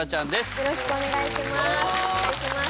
よろしくお願いします。